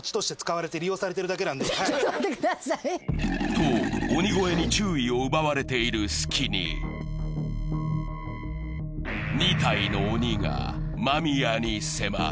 と鬼越に注意を奪われている隙に２体の鬼が間宮に迫る。